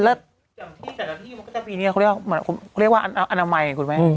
แต่ละที่มันก็จะมีเนี่ยเขาเรียกว่าอนามัยคุณแม่